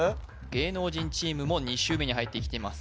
芸能人チームも２周目に入ってきています